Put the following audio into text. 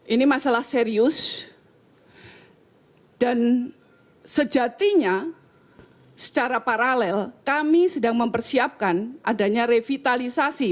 ini masalah serius dan sejatinya secara paralel kami sedang mempersiapkan adanya revitalisasi